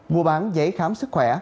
mùa bán giấy khám sức khỏe